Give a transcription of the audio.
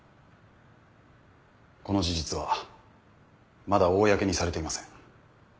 この事実はまだ公にされていません。